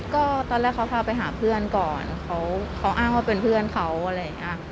ก็ตอนแรกเขาพาไปหาเพื่อนก่อนเขาอ้างว่าเป็นเพื่อนเขาอะไรอย่างนี้